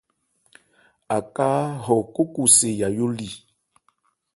Aká hɔ kóko se Yayó li.